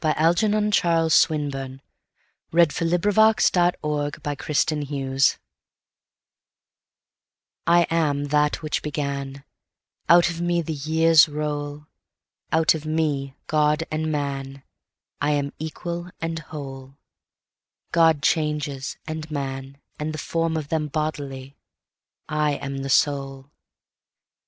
Algernon Charles Swinburne 1837–1909 Hertha Swinburn I AM that which began; Out of me the years roll; Out of me God and man;I am equal and Whole; God changes, and man, and the form of them bodily; I am the soul.